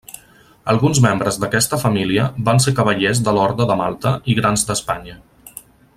Alguns membres d'aquesta família van ser cavallers de l'Orde de Malta i Grans d'Espanya.